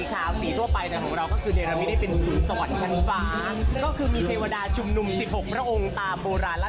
กลมศิลปากรเป็นคนวาด